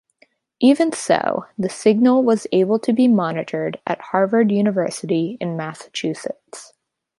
Even so, the signal was able to be monitored at Harvard University in Massachusetts.